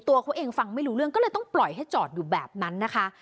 ตัวเขาเองฟังไม่รู้เรื่องก็เลยต้องปล่อยให้จอดอยู่แบบนั้นนะคะ